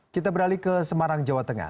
kita beralih ke semarang jawa tengah